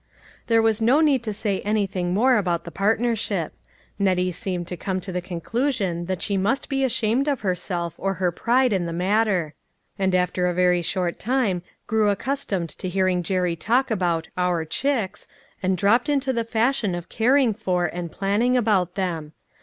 There was no need to say anything mor about the partnership. Nettie seemed to come, to the conclusion that she must be ashamed of herself or her pride in the matter ; and after a very short time grew accustomed to hearing Jerry talk about "Our chicks," and dropped into the fashion of caring for and planning about them.